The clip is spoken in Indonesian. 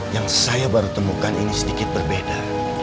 yang saya baru temukan ini sedikit berbeda